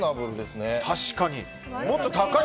確かに。